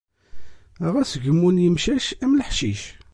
Ɣas gemmun yimcumen am leḥcic.